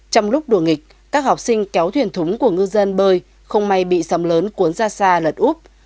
trong lúc đùa nghịch các học sinh kéo thuyền thúng của ngư dân bơi không may bị sóng lớn cuốn ra xa lật úp